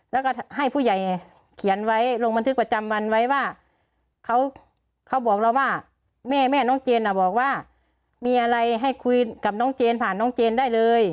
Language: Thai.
แล้วก็ให้ผู้ใหญ่เขียนไว้ลงบันทึกประจำวันไว้ว่าเขาบอกเราว่าแม่แม่น้องเจนบอกว่ามีอะไรให้คุยกับน้องเจนผ่านน้องเจนได้เลย